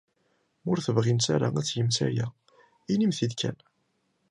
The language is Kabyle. Ma ur tebɣimt ara ad tgemt aya, inimt-t-id kan.